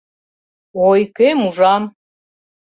— Ой, кӧм ужам?